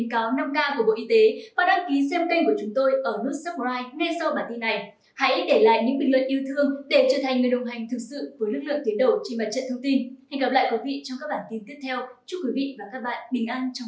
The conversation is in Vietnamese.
cảm ơn các bạn đã theo dõi và hẹn gặp lại